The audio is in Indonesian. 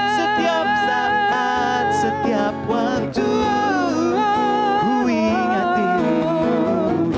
setiap saat setiap waktu ku ingatimu